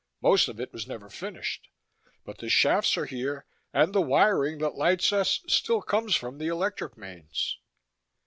Most of it was never finished. But the shafts are here, and the wiring that lights us still comes from the electric mains."